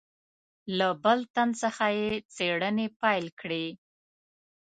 له بل تن څخه یې څېړنې پیل کړې.